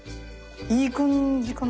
いい感じかな？